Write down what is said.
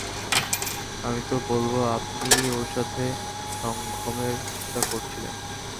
আমি তো বলব আপনিই ওর সাথে সাথে সঙ্ঘমের চেষ্টা করছিলেন।